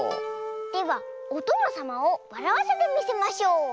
ではおとのさまをわらわせてみせましょう！